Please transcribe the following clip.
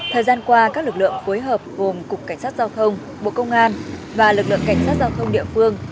thời gian qua các lực lượng phối hợp gồm cục cảnh sát giao thông bộ công an và lực lượng cảnh sát giao thông địa phương